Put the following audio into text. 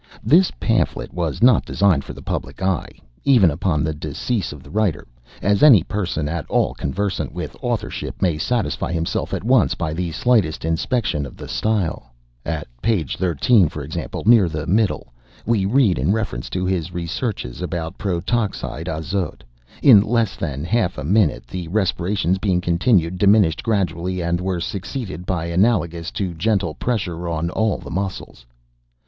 This pamphlet was not designed for the public eye, even upon the decease of the writer, as any person at all conversant with authorship may satisfy himself at once by the slightest inspection of the style. At page 13, for example, near the middle, we read, in reference to his researches about the protoxide of azote: 'In less than half a minute the respiration being continued, diminished gradually and were succeeded by analogous to gentle pressure on all the muscles.